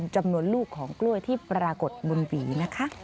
จำนวนลูกของกล้วยที่ปรากฏบนหวีนะคะ